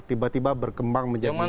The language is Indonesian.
tiba tiba berkembang menjadi